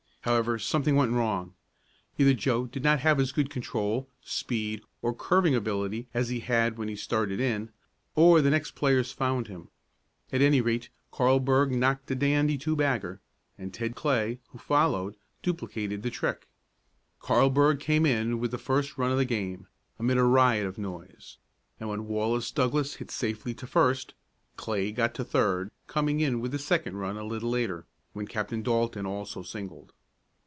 However, something went wrong. Either Joe did not have as good control, speed or curving ability as when he had started in, or the next players found him. At any rate Carlburg knocked a dandy two bagger, and Ted Clay, who followed, duplicated the trick. Carlburg came in with the first run of the game, amid a riot of noise, and when Wallace Douglass hit safely to first, Clay got to third, coming in with the second run a little later, when Captain Dalton also singled.